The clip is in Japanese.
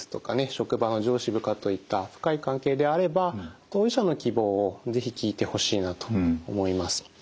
職場の上司部下といった深い関係であれば当事者の希望を是非聞いてほしいなと思います。